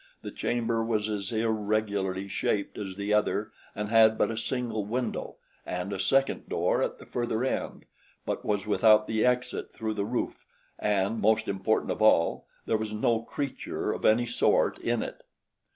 The chamber was as irregularly shaped as the other and had but a single window and a second door at the further end, but was without the exit through the roof and, most important of all, there was no creature of any sort in it.